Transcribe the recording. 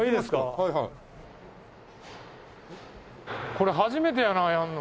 これ初めてやなやるの。